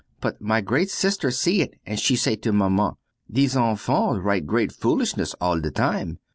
But my great sister see it and she say to Maman: "These infants write great foolishness all the time.